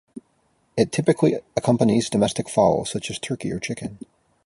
It typically accompanies domestic fowl such as turkey or chicken.